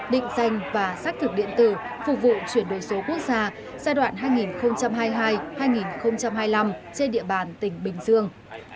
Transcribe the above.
định danh và xác thực điện tử phục vụ chuyển đổi số quốc gia giai đoạn hai nghìn hai mươi hai hai nghìn hai mươi năm trên địa bàn tỉnh bình dương